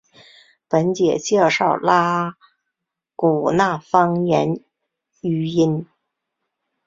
本节介绍拉祜纳方言语音。